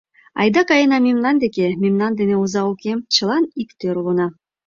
Айда каена мемнан деке, мемнан дене оза уке: чылан иктӧр улына.